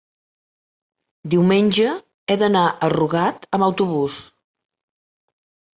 Diumenge he d'anar a Rugat amb autobús.